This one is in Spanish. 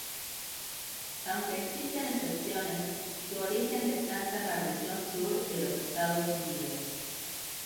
Aunque existen excepciones, su origen descansa en la región sur de los Estados Unidos.